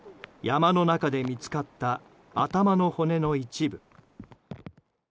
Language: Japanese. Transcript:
山の中で見つかった頭の骨の一部。